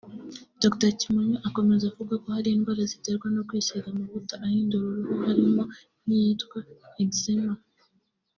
Dr Kimonyo akomeza avuga ko hari indwara ziterwa no kwisiga ayo mavuta ahindura uruhu harimo nk’iyitwa eczema